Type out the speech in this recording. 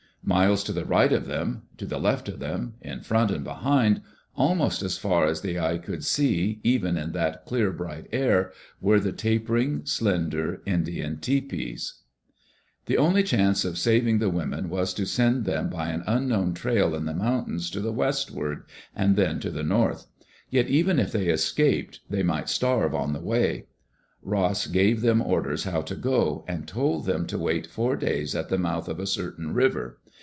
Miles to the right of them, to the left of them, in front and behind, jaknost as far as the eye could see even In that clear bright gir, were the tapering, slender Indian tepees. Digitized by CjOOQ IC ADVENTURES IN THE YAKIMA VALLEY The only chance of saving the women was to send them by an unknown trail In the mountains to the westward, and then to the north. Yet even if they escaped diey might starve on the way. Ross gave them orders how to go, and told them to wait four days at the mouth of a certain river.